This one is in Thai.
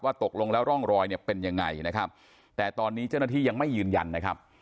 ตกลงแล้วร่องรอยเนี่ยเป็นยังไงนะครับแต่ตอนนี้เจ้าหน้าที่ยังไม่ยืนยันนะครับ